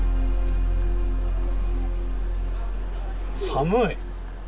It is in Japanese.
寒い！